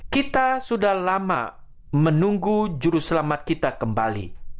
kita sudah lama menunggu juruselamat kita kembali